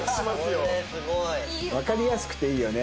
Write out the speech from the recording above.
わかりやすくていいよね。